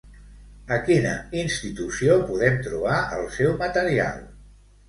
A quina institució podem trobar el seu material?